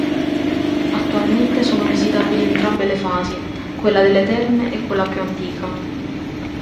Attualmente sono visitabili entrambe le fasi: quella delle terme e quella più antica.